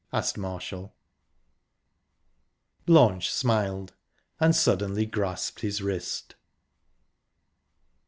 asked Marshall. Blanche smiled, and suddenly grasped his wrist.